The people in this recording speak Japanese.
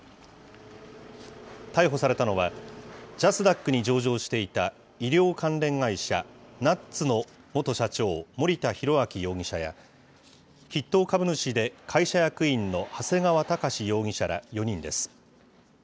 逮捕されたのは、ジャスダックに上場していた医療関連会社、Ｎｕｔｓの元社長、森田浩章容疑者や、筆頭株主で会社役員の長谷川隆志容疑者ら４人です。